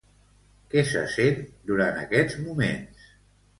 Què se sent durant aquests moments?